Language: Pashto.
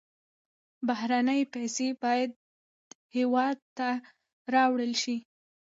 بهرنۍ پیسې باید هېواد ته راوړل شي.